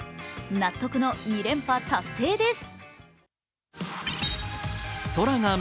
納得の２連覇達成です。